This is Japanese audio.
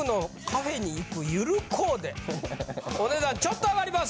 お値段ちょっと上がります。